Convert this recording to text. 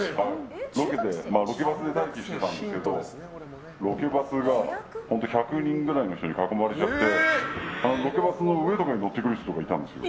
ロケバスで待機してたんですけどロケバスが１００人ぐらいの人に囲まれちゃってロケバスの上とかに乗ってくる人がいたんですよ。